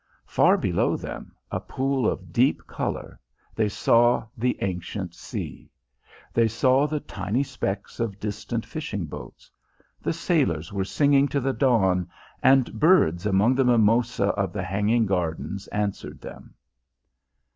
Far below them, a pool of deep colour, they saw the ancient sea. They saw the tiny specks of distant fishing boats. The sailors were singing to the dawn, and birds among the mimosa of the hanging gardens answered them.